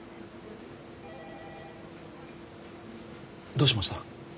どうしました？